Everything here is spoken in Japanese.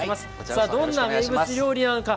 さあ、どんな名物料理なのか。